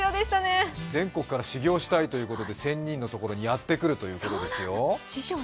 全国から修業したいということで仙人のところにやってくるということですよ。